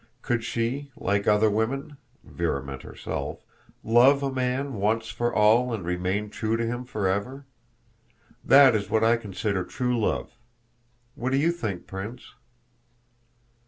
Could she, like other women" (Véra meant herself), "love a man once for all and remain true to him forever? That is what I consider true love. What do you think, Prince?"